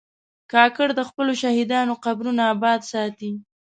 کاکړ د خپلو شهیدانو قبرونه آباد ساتي.